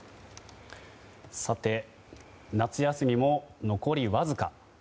さて夏休みも残りわずか。